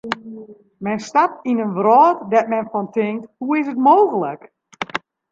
Men stapt yn in wrâld dêr't men fan tinkt: hoe is it mooglik.